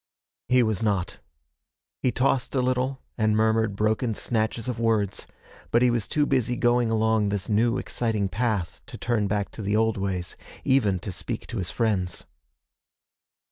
He was not. He tossed a little, and murmured broken snatches of words, but he was too busy going along this new exciting path to turn back to the old ways, even to speak to his friends.